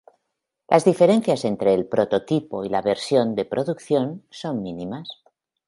Las diferencias entre el prototipo y la versión de producción son mínimas.